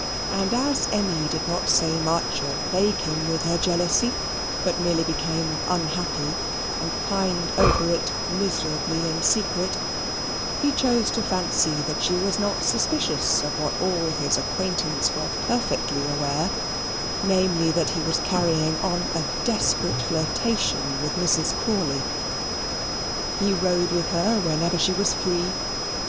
And as Emmy did not say much or plague him with her jealousy, but merely became unhappy and pined over it miserably in secret, he chose to fancy that she was not suspicious of what all his acquaintance were perfectly aware namely, that he was carrying on a desperate flirtation with Mrs. Crawley. He rode with her whenever she was free.